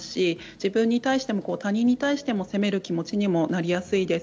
自分に対しても他人に対しても責める気持ちになりやすいです。